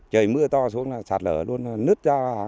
trời mưa to xuống là sạt lờ luôn nứt